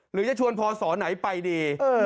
หรือจะชวนพศไหนไปดี